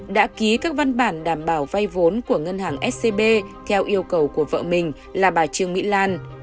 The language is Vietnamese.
đã ký các văn bản đảm bảo vay vốn của ngân hàng scb theo yêu cầu của vợ mình là bà trương mỹ lan